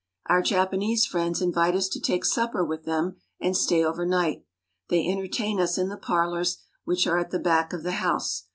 52 JAPAN Our Japanese friends invite us to take supper with them and stay overnight. They entertain us in the parlors, which are at the back of the house.